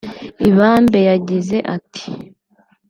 Ibambe yagize ati